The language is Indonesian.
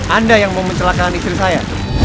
anda yang mau mencelakakan istri saya